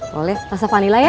boleh rasa vanilla ya